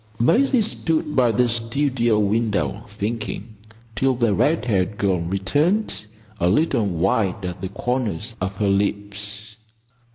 Maisie stood by the studio window, thinking, till the red haired girl returned, a little white at the corners of her lips.